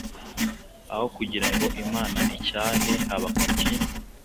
Aho kugira ngo Imana icyahe Habakuki,